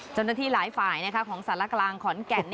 เจ้าหน้าที่หลายฝ่ายของสารกลางขอนแก่น